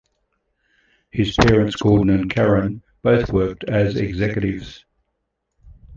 His parents, Gordon and Karen, both worked as executives.